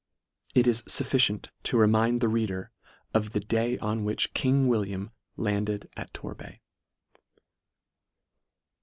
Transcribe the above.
It is fufficient to re mind the reader of the day on which King William landed at Torbay.